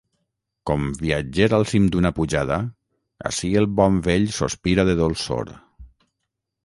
Com viatger al cim d'una pujada, ací el bon vell sospira de dolçor.